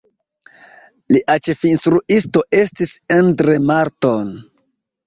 Lia ĉefinstruisto estis Endre Marton.